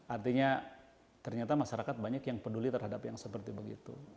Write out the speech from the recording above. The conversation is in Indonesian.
artinya ternyata masyarakat banyak yang peduli terhadap yang seperti begitu